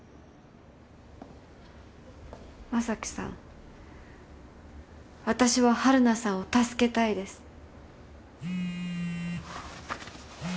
将貴さん私は晴汝さんを助けたいです。